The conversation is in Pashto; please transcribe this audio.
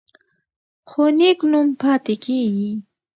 خو نېک نوم پاتې کیږي.